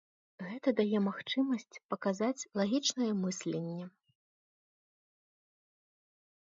Гэта дае магчымасць паказаць лагічнае мысленне.